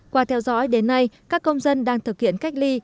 qua theo dõi đến nay các công dân đang thực hiện cách ly